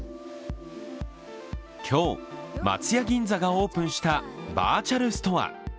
今日、松屋銀座がオープンしたバーチャルストア。